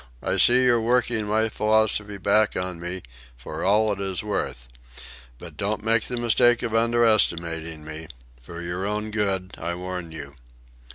"I see you're working my philosophy back on me for all it is worth. But don't make the mistake of under estimating me. For your own good I warn you."